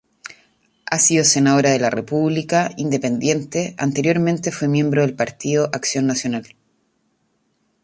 Ha sido senadora de la República, Independiente, anteriormente fue miembro del Partido Acción Nacional.